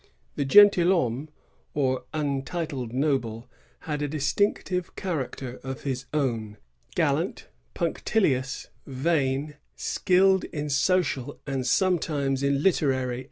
The gentiihomme^ or untitled noble, had a distinctive character of his own, — gallant, punctilious, vain; skilled in social and sometimes in literary